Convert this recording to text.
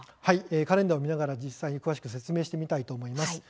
カレンダーを見ながら実際に詳しく説明したいと思います。